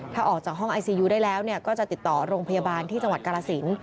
ถ้าออกจากห้องไอซียูได้แล้วก็จะติดต่อโรงพยาบาลที่จังหวัดกาลสิน